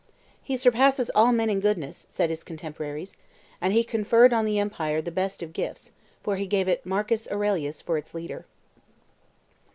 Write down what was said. "He surpasses all men in goodness," said his contemporaries, and he conferred on the empire the best of gifts, for he gave it Marcus Aurelius for its ruler.